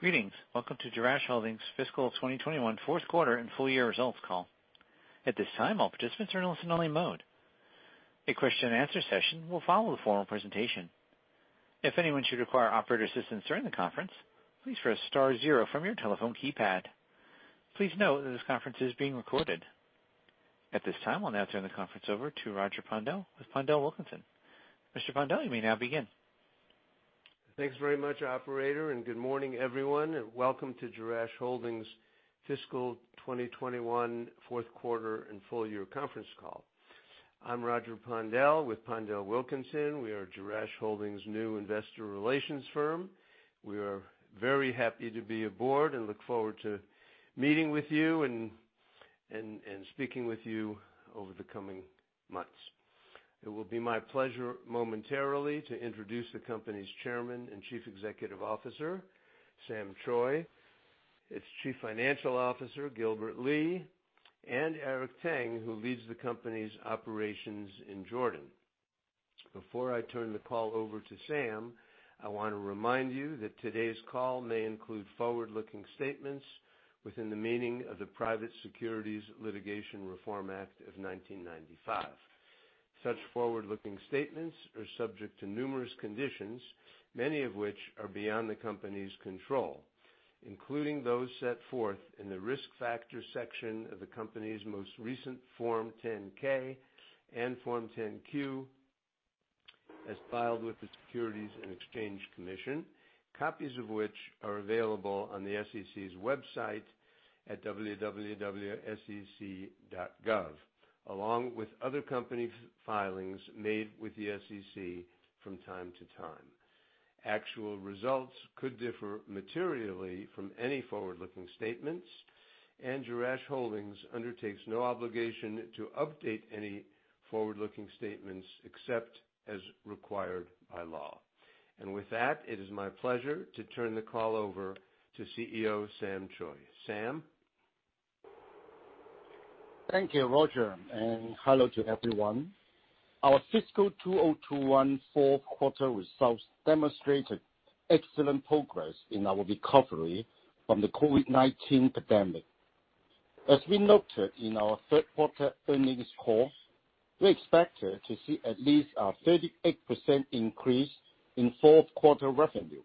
Greetings. Welcome to Jerash Holdings fiscal 2021 fourth quarter and full year results call. At this time, all participants are in listen only mode. A question and answer session will follow the formal presentation. If anyone should require operator assistance during the conference, please press star zero from your telephone keypad. Please note that this conference is being recorded. At this time, I'll now turn the conference over to Roger Pondel with PondelWilkinson. Mr. Pondel, you may now begin. Thanks very much, operator. Good morning everyone. Welcome to Jerash Holdings fiscal 2021 fourth quarter and full year conference call. I'm Roger Pondel with Pondel Wilkinson. We are Jerash Holdings new investor relations firm. We are very happy to be aboard and look forward to meeting with you and speaking with you over the coming months. It will be my pleasure momentarily to introduce the company's Chairman and Chief Executive Officer, Sam Choi, its Chief Financial Officer, Gilbert Lee, and Eric Tang, who leads the company's operations in Jordan. Before I turn the call over to Sam, I want to remind you that today's call may include forward-looking statements within the meaning of the Private Securities Litigation Reform Act of 1995. Such forward-looking statements are subject to numerous conditions, many of which are beyond the company's control, including those set forth in the Risk Factors section of the company's most recent Form 10-K and Form 10-Q, as filed with the Securities and Exchange Commission. Copies of which are available on the SEC's website at www.sec.gov, along with other company filings made with the SEC from time to time. Actual results could differ materially from any forward-looking statements, and Jerash Holdings undertakes no obligation to update any forward-looking statements except as required by law. With that, it is my pleasure to turn the call over to CEO Sam Choi. Sam? Thank you, Roger, and hello to everyone. Our fiscal 2021 fourth quarter results demonstrated excellent progress in our recovery from the COVID-19 pandemic. As we noted in our third quarter earnings call, we expected to see at least a 38% increase in fourth quarter revenue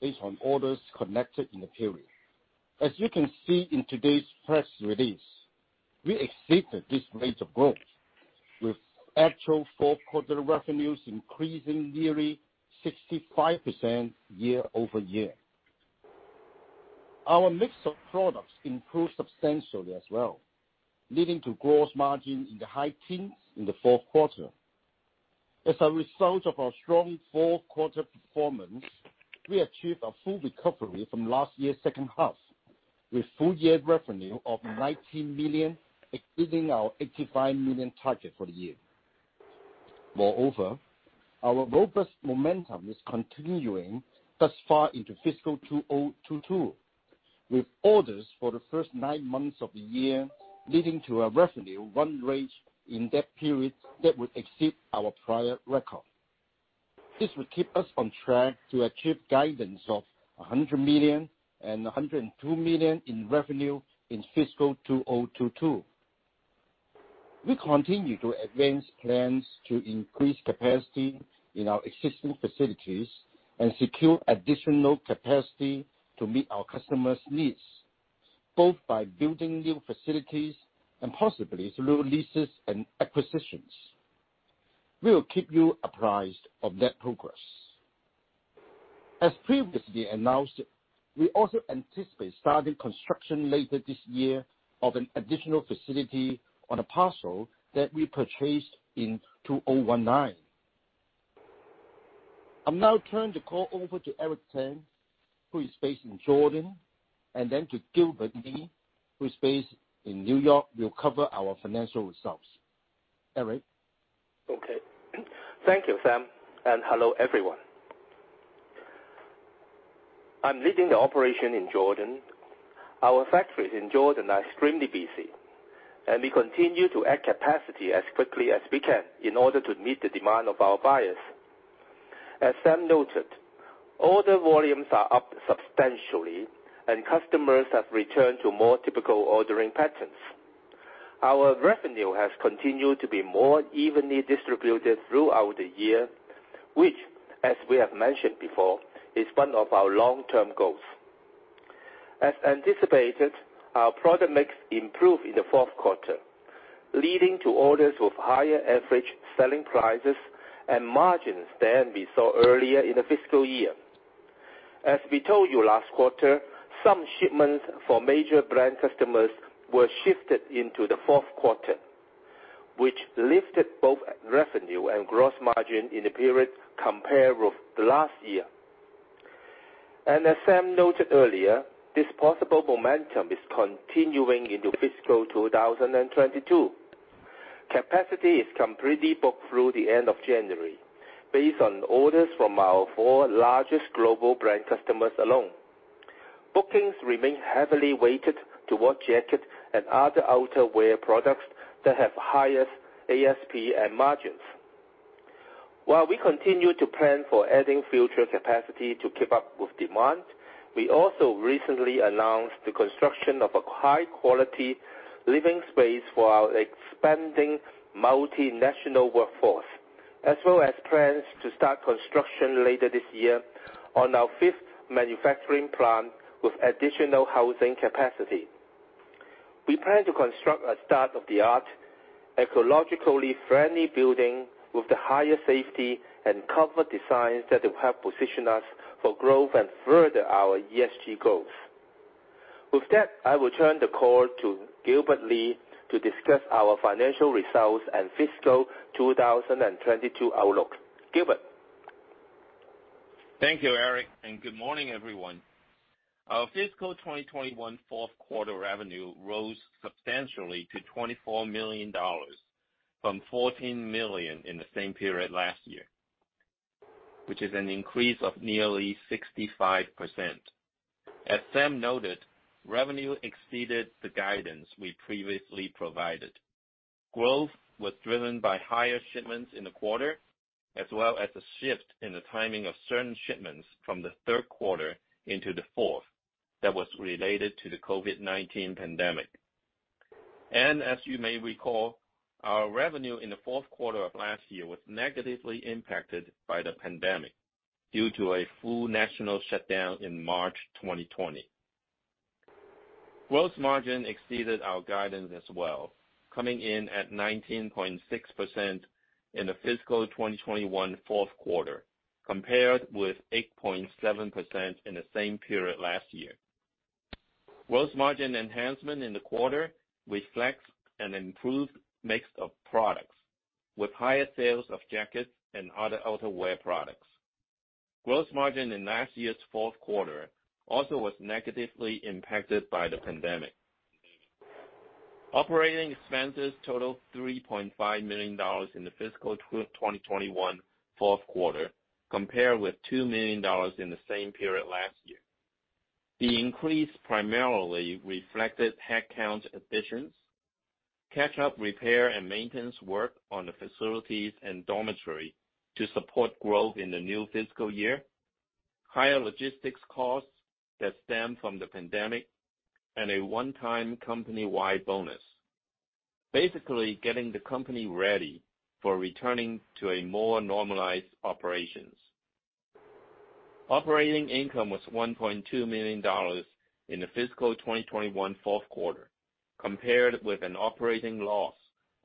based on orders collected in the period. As you can see in today's press release, we exceeded this rate of growth with actual fourth quarter revenues increasing nearly 65% year-over-year. Our mix of products improved substantially as well, leading to gross margin in the high teens in the fourth quarter. As a result of our strong fourth quarter performance, we achieved a full recovery from last year's second half, with full year revenue of $90 million exceeding our $85 million target for the year. Moreover, our robust momentum is continuing thus far into fiscal 2022, with orders for the first nine months of the year leading to a revenue run rate in that period that would exceed our prior record. This will keep us on track to achieve guidance of $100 million and $102 million in revenue in fiscal 2022. We continue to advance plans to increase capacity in our existing facilities and secure additional capacity to meet our customers' needs, both by building new facilities and possibly through leases and acquisitions. We'll keep you apprised of that progress. As previously announced, we also anticipate starting construction later this year of an additional facility on a parcel that we purchased in 2019. I'll now turn the call over to Eric Tang, who is based in Jordan, and then to Gilbert Lee, who is based in New York, will cover our financial results. Eric? Okay. Thank you, Sam, and hello everyone. I'm leading the operation in Jordan. Our factories in Jordan are extremely busy, and we continue to add capacity as quickly as we can in order to meet the demand of our buyers. As Sam noted, order volumes are up substantially and customers have returned to more typical ordering patterns. Our revenue has continued to be more evenly distributed throughout the year, which, as we have mentioned before, is one of our long-term goals. As anticipated, our product mix improved in the fourth quarter, leading to orders with higher average selling prices and margins than we saw earlier in the fiscal year. As we told you last quarter, some shipments for major brand customers were shifted into the fourth quarter, which lifted both revenue and gross margin in the period compared with last year. As Sam noted earlier, this possible momentum is continuing into fiscal 2022. Capacity is completely booked through the end of January based on orders from our four largest global brand customers alone. Bookings remain heavily weighted towards jackets and other outerwear products that have the highest ASP and margins. While we continue to plan for adding future capacity to keep up with demand, we also recently announced the construction of a high-quality living space for our expanding multinational workforce, as well as plans to start construction later this year on our fifth manufacturing plant with additional housing capacity. We plan to construct a state-of-the-art, ecologically friendly building with higher safety and comfort designs that will help position us for growth and further our ESG goals. With that, I will turn the call to Gilbert Lee to discuss our financial results and fiscal 2022 outlook. Gilbert? Thank you, Eric. Good morning, everyone. Our fiscal 2021 fourth quarter revenue rose substantially to $24 million from $14 million in the same period last year, which is an increase of nearly 65%. As Sam noted, revenue exceeded the guidance we previously provided. Growth was driven by higher shipments in the quarter, as well as a shift in the timing of certain shipments from the third quarter into the fourth that was related to the COVID-19 pandemic. As you may recall, our revenue in the fourth quarter of last year was negatively impacted by the pandemic due to a full national shutdown in March 2020. Gross margin exceeded our guidance as well, coming in at 19.6% in the fiscal 2021 fourth quarter, compared with 8.7% in the same period last year. Gross margin enhancement in the quarter reflects an improved mix of products, with higher sales of jackets and other outerwear products. Gross margin in last year's fourth quarter also was negatively impacted by the pandemic. Operating expenses totaled $3.5 million in the fiscal 2021 fourth quarter, compared with $2 million in the same period last year. The increase primarily reflected headcount additions, catch-up repair and maintenance work on the facilities and dormitory to support growth in the new fiscal year, higher logistics costs that stem from the pandemic, and a one-time company-wide bonus. Basically getting the company ready for returning to a more normalized operations. Operating income was $1.2 million in the fiscal 2021 fourth quarter, compared with an operating loss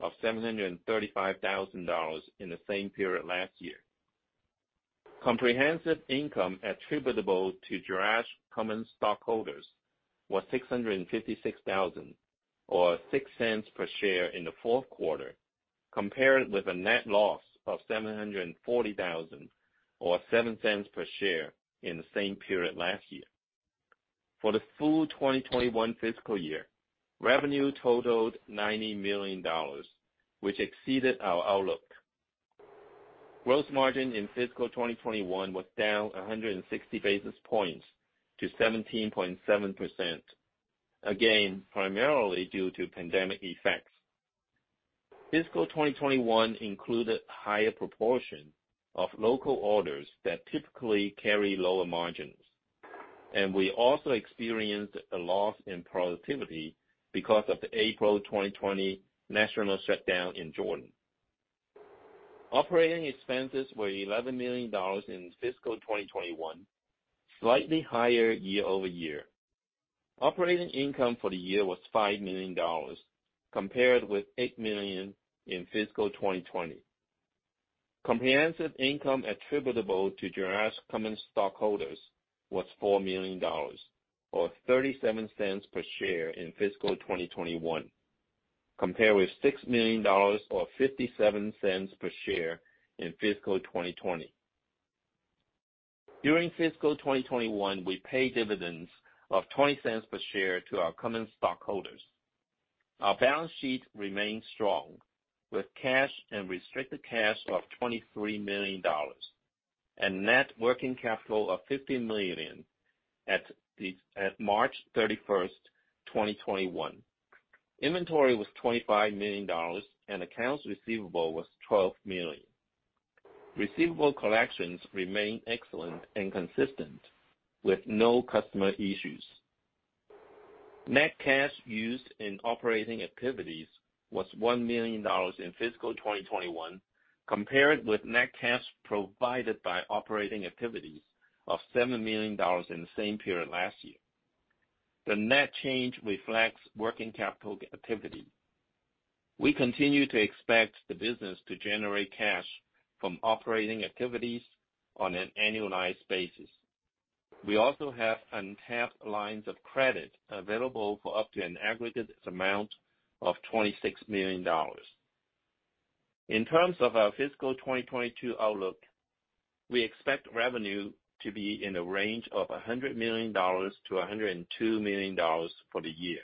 of $735,000 in the same period last year. Comprehensive income attributable to Jerash common stockholders was $656,000 or $0.06 per share in the fourth quarter, compared with a net loss of $740,000 or $0.07 per share in the same period last year. For the full 2021 fiscal year, revenue totaled $90 million, which exceeded our outlook. Gross margin in fiscal 2021 was down 160 basis points to 17.7%, again, primarily due to pandemic effects. Fiscal 2021 included a higher proportion of local orders that typically carry lower margins. We also experienced a loss in productivity because of the April 2020 national shutdown in Jordan. Operating expenses were $11 million in fiscal 2021, slightly higher year-over-year. Operating income for the year was $5 million compared with $8 million in fiscal 2020. Comprehensive income attributable to Jerash common stockholders was $4 million or $0.37 per share in fiscal 2021, compared with $6 million or $0.57 per share in fiscal 2020. During fiscal 2021, we paid dividends of $0.20 per share to our common stockholders. Our balance sheet remains strong with cash and restricted cash of $23 million and net working capital of $15 million at March 31st, 2021. Inventory was $25 million, and accounts receivable was $12 million. Receivable collections remain excellent and consistent, with no customer issues. Net cash used in operating activities was $1 million in fiscal 2021, compared with net cash provided by operating activities of $7 million in the same period last year. The net change reflects working capital activity. We continue to expect the business to generate cash from operating activities on an annualized basis. We also have untapped lines of credit available for up to an aggregate amount of $26 million. In terms of our fiscal 2022 outlook, we expect revenue to be in the range of $100 million-$102 million for the year.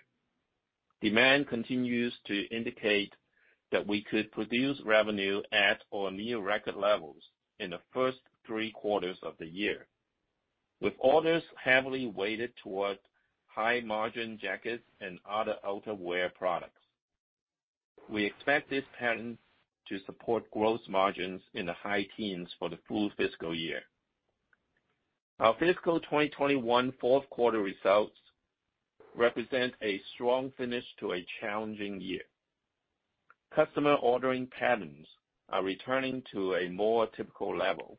Demand continues to indicate that we could produce revenue at or near record levels in the first three quarters of the year, with orders heavily weighted toward high-margin jackets and other outerwear products. We expect this pattern to support gross margins in the high teens for the full fiscal year. Our fiscal 2021 fourth quarter results represent a strong finish to a challenging year. Customer ordering patterns are returning to a more typical level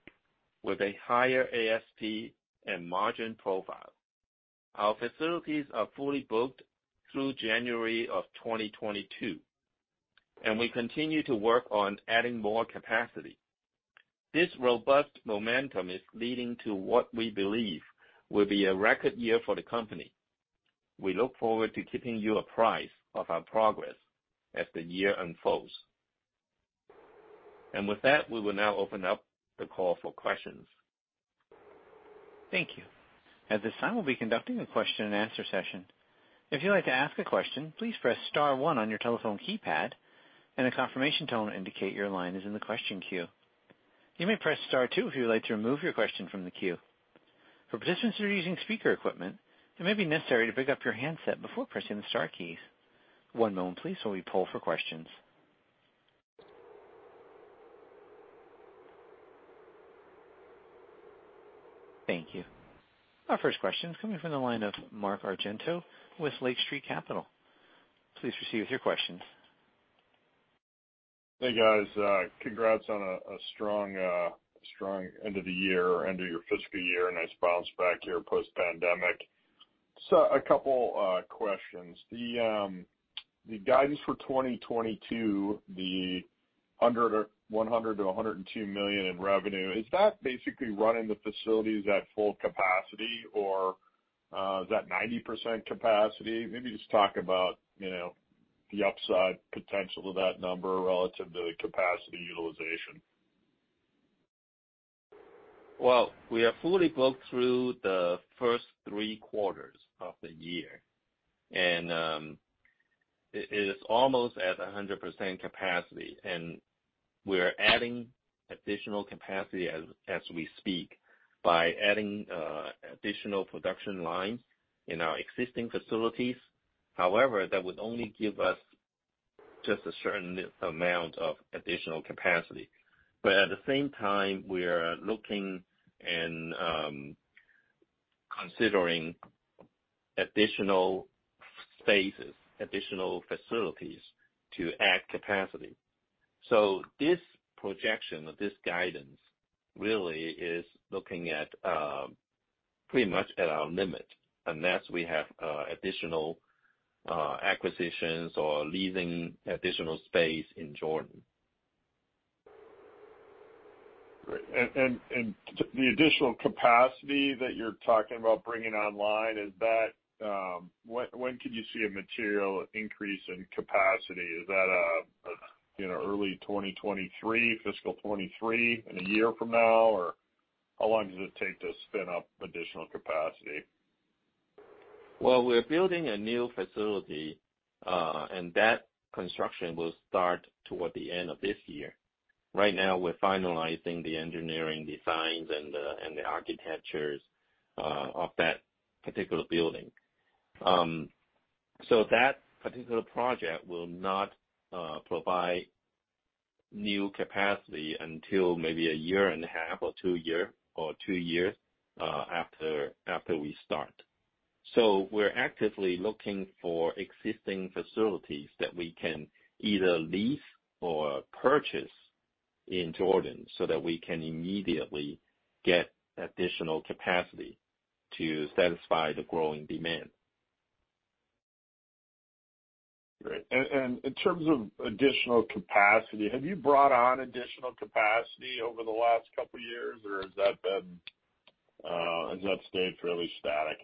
with a higher ASP and margin profile. Our facilities are fully booked through January of 2022, and we continue to work on adding more capacity. This robust momentum is leading to what we believe will be a record year for the company. We look forward to keeping you apprised of our progress as the year unfolds. With that, we will now open up the call for questions. Thank you. At this time, we'll be conducting a question and answer session. If you'd like to ask a question, please press star one on your telephone keypad, and a confirmation tone will indicate your line is in the question queue. You may press star two if you would like to remove your question from the queue. For participants who are using speaker equipment, it may be necessary to pick up your handset before pressing the star keys. One moment please, while we poll for questions. Thank you. Our first question is coming from the line of Mark Argento with Lake Street Capital. Please proceed with your questions. Hey, guys. Congrats on a strong end of the year, end of your fiscal year. Nice bounce back here post-pandemic. A couple questions. The guidance for 2022, the $100 million-$102 million in revenue, is that basically running the facilities at full capacity, or is that 90% capacity? Maybe just talk about the upside potential of that number relative to the capacity utilization. Well, we are fully booked through the first three quarters of the year, and it is almost at 100% capacity. We are adding additional capacity as we speak by adding additional production lines in our existing facilities. However, that would only give us just a certain amount of additional capacity. At the same time, we are looking and considering additional spaces, additional facilities to add capacity. This projection or this guidance really is looking at pretty much at our limit, unless we have additional acquisitions or leasing additional space in Jordan. Great. The additional capacity that you're talking about bringing online, when could you see a material increase in capacity? Is that early 2023, fiscal 2023, in a year from now, or how long does it take to spin up additional capacity? Well, we're building a new facility, and that construction will start toward the end of this year. Right now, we're finalizing the engineering designs and the architectures of that particular building. That particular project will not provide new capacity until maybe one year and a half or two years after we start. We're actively looking for existing facilities that we can either lease or purchase in Jordan so that we can immediately get additional capacity to satisfy the growing demand. Great. In terms of additional capacity, have you brought on additional capacity over the last couple years, or has that stayed fairly static?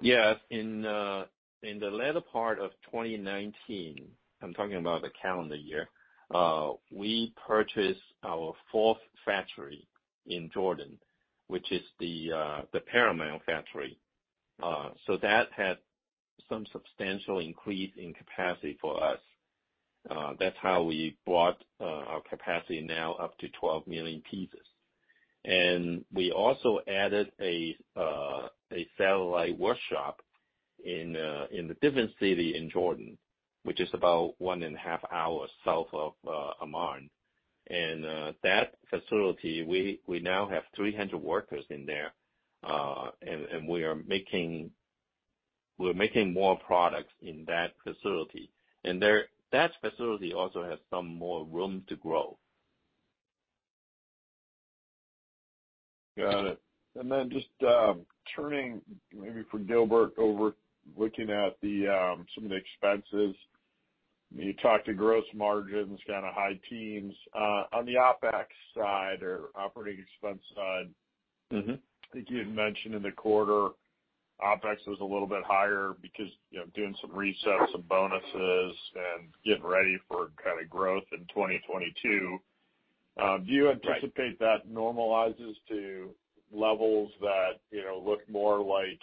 Yes. In the latter part of 2019, I'm talking about the calendar year, we purchased our fourth factory in Jordan, which is the Paramount factory. That had some substantial increase in capacity for us. That's how we brought our capacity now up to 12 million pieces. We also added a satellite workshop in a different city in Jordan, which is about one and a half hours south of Amman. That facility, we now have 300 workers in there, and we are making more products in that facility. That facility also has some more room to grow. Got it. Just turning, maybe for Gilbert, over looking at some of the expenses. You talked to gross margins, kind of high teens. On the OpEx side or operating expense side. I think you had mentioned in the quarter, OpEx was a little bit higher because doing some resets, some bonuses, and getting ready for growth in 2022. Do you anticipate that normalizes to levels that look more like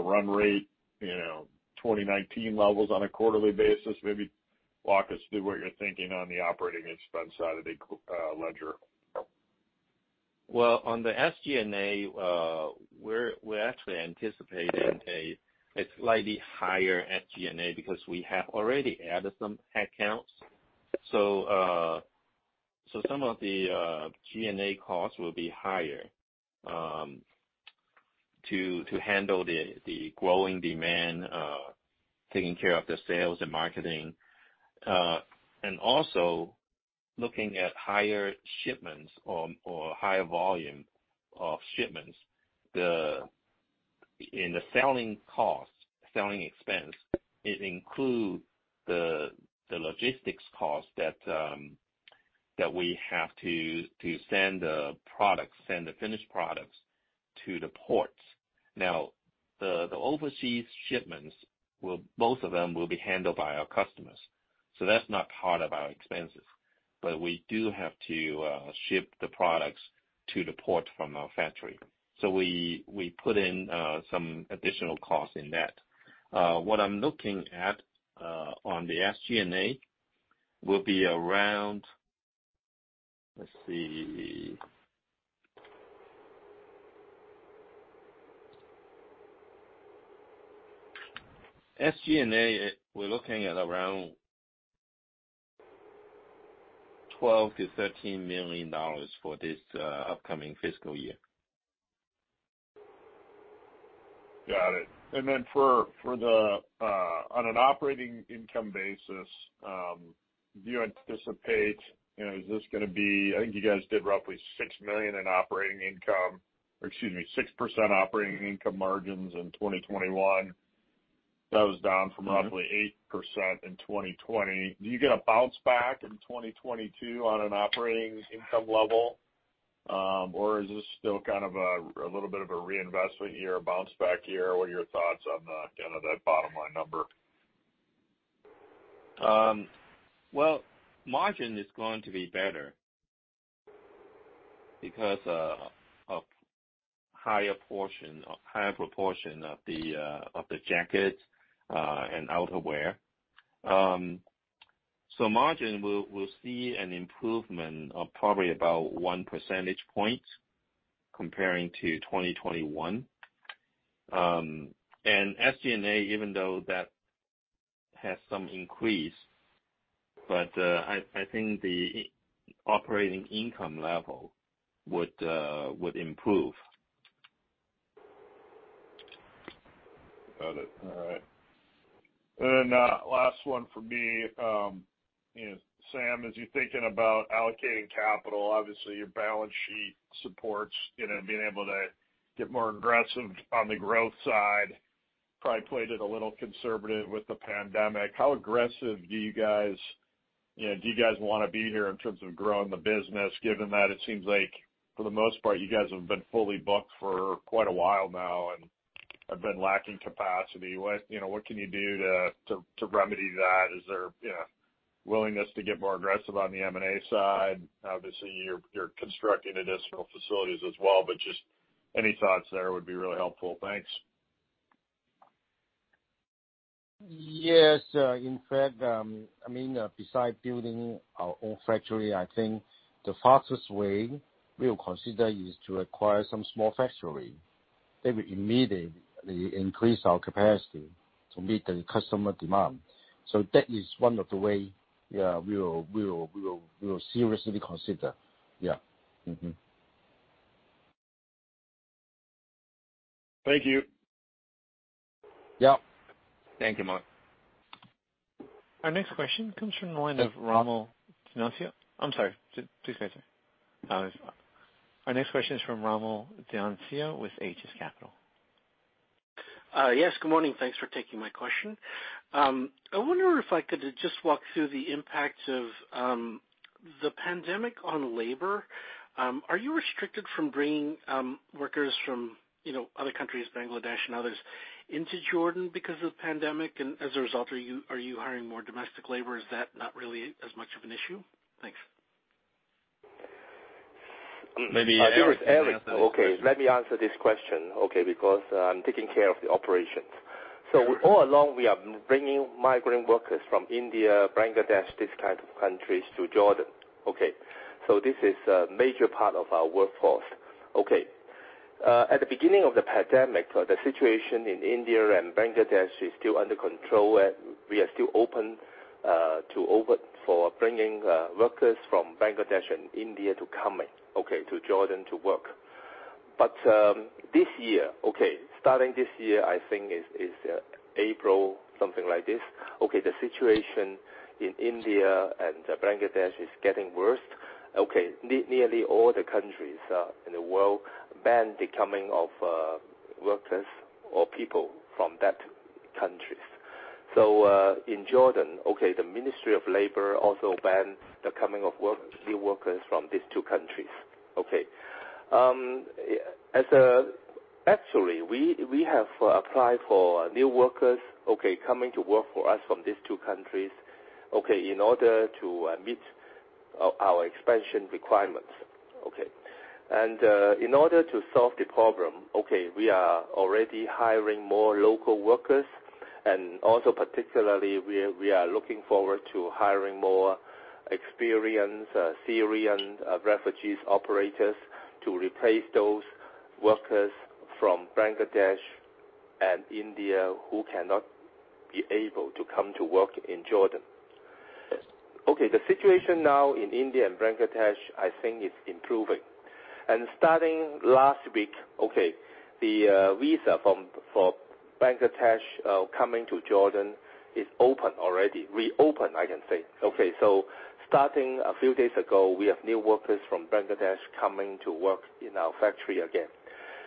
run rate 2019 levels on a quarterly basis? Maybe walk us through what you're thinking on the operating expense side of the ledger. Well, on the SG&A, we're actually anticipating a slightly higher SG&A because we have already added some accounts. Some of the G&A costs will be higher to handle the growing demand, taking care of the sales and marketing. Also looking at higher shipments or higher volume of shipments. In the selling cost, selling expense, it includes the logistics cost that we have to send the products, send the finished products to the ports. Now, the overseas shipments, both of them will be handled by our customers. That's not part of our expenses. We do have to ship the products to the port from our factory. We put in some additional cost in that. What I'm looking at on the SG&A will be around, let's see. SG&A, we're looking at around $12 million-$13 million for this upcoming fiscal year. Got it. Then on an operating income basis, I think you guys did roughly $6 million in operating income, or excuse me, 6% operating income margins in 2021. That was down from roughly 8% in 2020. Do you get a bounce back in 2022 on an operating income level? Or is this still kind of a little bit of a reinvestment year, a bounce back year? What are your thoughts on that bottom line number? Well, margin is going to be better because of higher proportion of the jackets and outerwear. Margin will see an improvement of probably about one percentage point comparing to 2021. SG&A, even though that has some increase, but I think the operating income level would improve. Got it. All right. Last one for me. Sam, as you're thinking about allocating capital, obviously your balance sheet supports being able to get more aggressive on the growth side, probably played it a little conservative with the pandemic. How aggressive do you guys want to be here in terms of growing the business, given that it seems like for the most part, you guys have been fully booked for quite a while now and have been lacking capacity. What can you do to remedy that? Is there willingness to get more aggressive on the M&A side? Obviously, you're constructing additional facilities as well, just any thoughts there would be really helpful. Thanks. Yes. In fact, besides building our own factory, I think the fastest way we will consider is to acquire some small factory that will immediately increase our capacity to meet the customer demand. That is one of the ways we will seriously consider. Yeah. Thank you. Yep. Thank you, Mark. Our next question comes from the line of Rommel Dionisio. I'm sorry. Please say it again. Our next question is from Rommel Dionisio with Aegis Capital. Yes, good morning. Thanks for taking my question. I wonder if I could just walk through the impact of the pandemic on labor. Are you restricted from bringing workers from other countries, Bangladesh and others, into Jordan because of the pandemic? As a result, are you hiring more domestic labor? Is that not really as much of an issue? Thanks. Maybe Eric can answer that question. Let me answer this question because I'm taking care of the operations. All along, we are bringing migrant workers from India, Bangladesh, these kind of countries, to Jordan. This is a major part of our workforce. At the beginning of the pandemic, the situation in India and Bangladesh is still under control, and we are still open for bringing workers from Bangladesh and India to come to Jordan to work. This year, starting this year, I think it's April, something like this. The situation in India and Bangladesh is getting worse. Nearly all the countries in the world banned the coming of workers or people from that countries. In Jordan, the Ministry of Labour also banned the coming of new workers from these two countries. Actually, we have applied for new workers coming to work for us from these two countries in order to meet our expansion requirements. In order to solve the problem, we are already hiring more local workers. Also particularly, we are looking forward to hiring more experienced Syrian refugees operators to replace those workers from Bangladesh and India who cannot be able to come to work in Jordan. The situation now in India and Bangladesh, I think is improving. Starting last week, the visa for Bangladesh coming to Jordan is open already. Reopened, I can say. Starting a few days ago, we have new workers from Bangladesh coming to work in our factory again.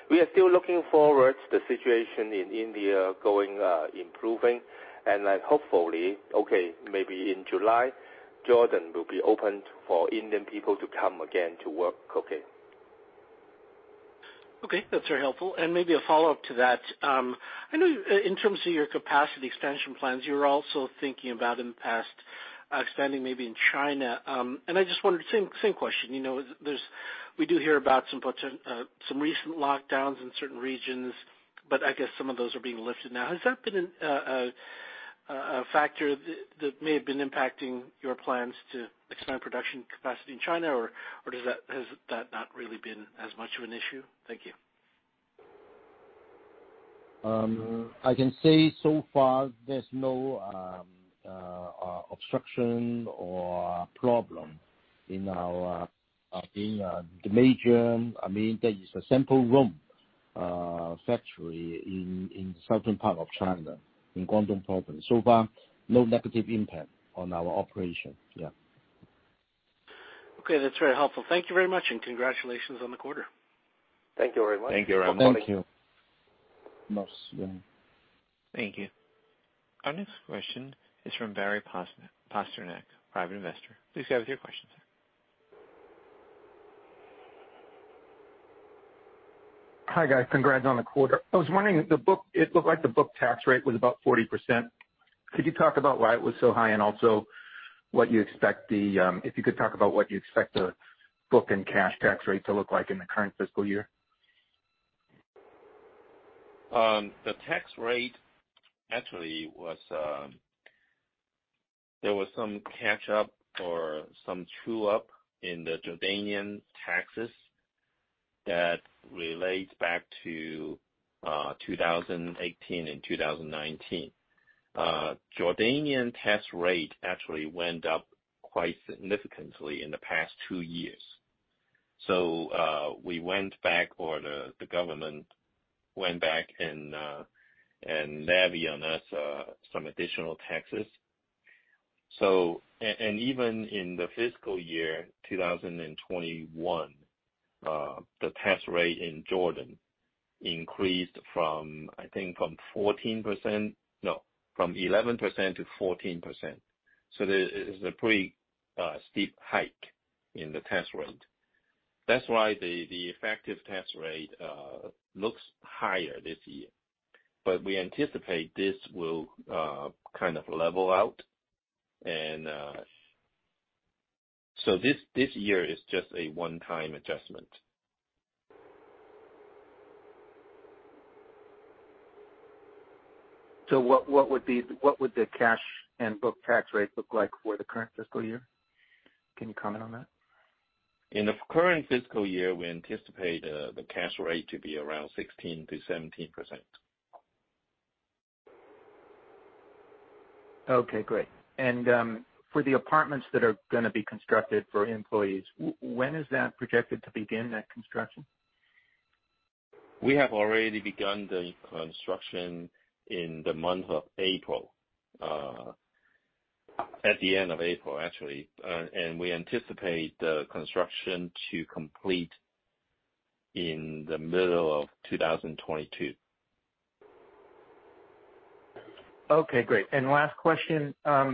We are still looking forward to the situation in India improving. Hopefully, maybe in July, Jordan will be open for Indian people to come again to work. Okay. That's very helpful. Maybe a follow-up to that. I know in terms of your capacity expansion plans, you were also thinking about in the past expanding maybe in China. I just wonder, same question. We do hear about some recent lockdowns in certain regions, but I guess some of those are being lifted now. Has that been a factor that may have been impacting your plans to expand production capacity in China, or has that not really been as much of an issue? Thank you. I can say so far there is no obstruction or problem in our Guangzhou sample room factory in southern part of China, in Guangdong Province. So far, no negative impact on our operation. Yeah. Okay, that's very helpful. Thank you very much and congratulations on the quarter. Thank you very much. Thank you very much. Thank you. Our next question is from Barry Pasternack, private investor. Please go ahead with your question, sir. Hi, guys. Congrats on the quarter. I was wondering, it looked like the book tax rate was about 40%. Could you talk about why it was so high and also if you could talk about what you expect the book and cash tax rate to look like in the current fiscal year? The tax rate, actually, there was some catch up or some true-up in the Jordanian taxes that relates back to 2018 and 2019. Jordanian tax rate actually went up quite significantly in the past two years. We went back, or the government went back and levied on us some additional taxes. Even in the fiscal year 2021, the tax rate in Jordan increased from 11%-14%. There is a pretty steep hike in the tax rate. That's why the effective tax rate looks higher this year. We anticipate this will level out. This year is just a one-time adjustment. What would the cash and book tax rate look like for the current fiscal year? Can you comment on that? In the current fiscal year, we anticipate the cash rate to be around 16%-17%. Okay, great. For the apartments that are going to be constructed for employees, when is that projected to begin, that construction? We have already begun the construction in the month of April. At the end of April, actually. We anticipate the construction to complete in the middle of 2022. Okay, great. Last question. Why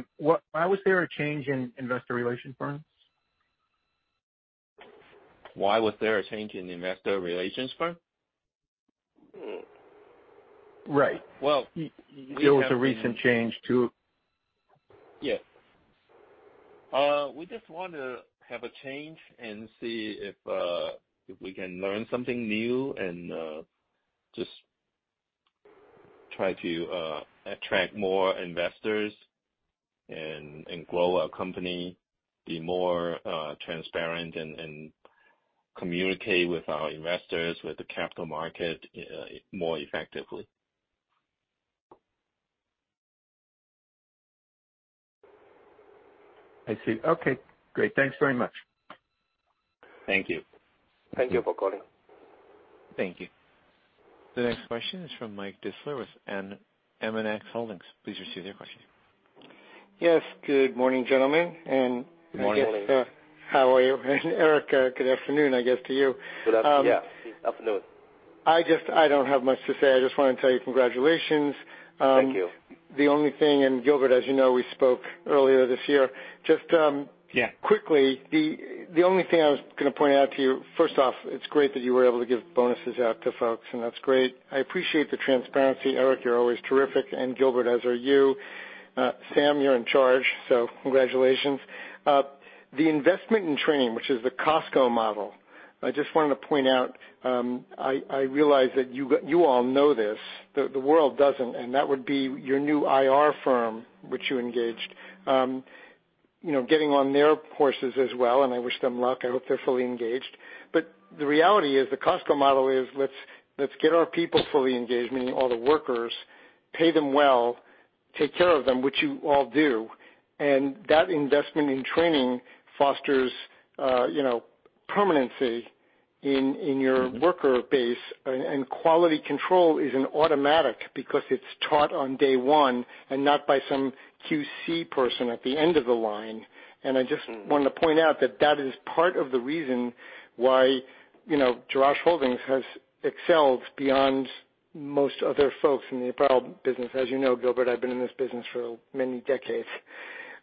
was there a change in investor relations firms? Why was there a change in the investor relations firm? Right. Well, there was a recent change to. Yes. We just want to have a change and see if we can learn something new and just try to attract more investors and grow our company, be more transparent and communicate with our investors, with the capital market more effectively. I see. Okay, great. Thanks very much. Thank you. Thank you for calling. Thank you. The next question is from Mike Distler with AMX Holdings. Please proceed with your question. Yes, good morning, gentlemen. Good morning. How are you? Eric, good afternoon, I guess, to you. Yes, it's afternoon. I don't have much to say. I just want to tell you congratulations. Thank you. The only thing, and Gilbert, as you know, we spoke earlier this year. Quickly, the only thing I was going to point out to you, first off, it's great that you were able to give bonuses out to folks, and that's great. I appreciate the transparency. Eric, you're always terrific, and Gilbert, as are you. Sam, you're in charge. Congratulations. The investment in training, which is the Costco model, I just wanted to point out, I realize that you all know this, the world doesn't. That would be your new IR firm, which you engaged. Getting on their courses as well. I wish them luck. I hope they're fully engaged. The reality is, the Costco model is, let's get our people fully engaged, meaning all the workers, pay them well, take care of them, which you all do. That investment in training fosters permanency in your worker base. Quality control is an automatic because it's taught on day one and not by some QC person at the end of the line. I just wanted to point out that that is part of the reason why Jerash Holdings has excelled beyond most other folks in the apparel business. As you know, Gilbert, I've been in this business for many decades.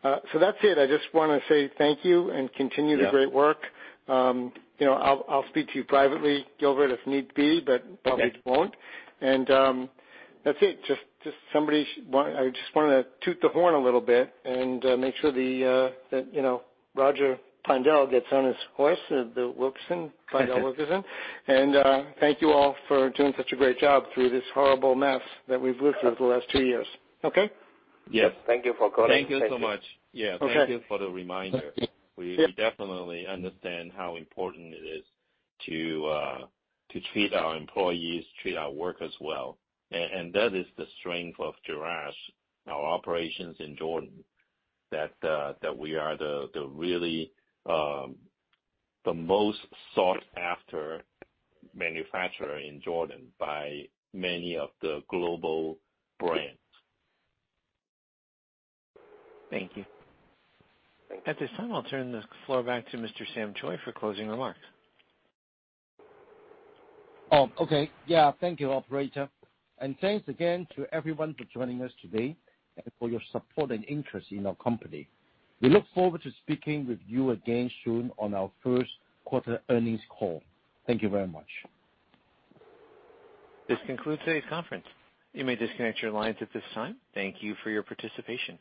That's it. I just want to say thank you and continue the great work. I'll speak to you privately, Gilbert, if need be. Probably won't. That's it. I just wanted to toot the horn a little bit and make sure that Roger Pondel gets on his horse, Bill Wilkinson, Pondel Wilkinson. Thank you all for doing such a great job through this horrible mess that we've lived through the last two years. Okay? Yes. Thank you for calling. Thank you so much. Yeah. Okay. Thank you for the reminder. We definitely understand how important it is to treat our employees, treat our workers well. That is the strength of Jerash, our operations in Jordan, that we are the most sought-after manufacturer in Jordan by many of the global brands. Thank you. Thank you. At this time, I'll turn the floor back to Mr. Sam Choi for closing remarks. Okay. Yeah. Thank you, operator. Thanks again to everyone for joining us today and for your support and interest in our company. We look forward to speaking with you again soon on our first quarter earnings call. Thank you very much. This concludes today's conference. You may disconnect your lines at this time. Thank you for your participation.